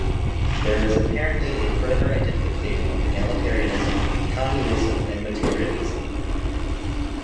There is apparently a further identification of egalitarianism, communism, and materialism.